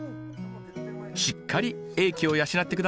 しっかり英気を養って下さいね。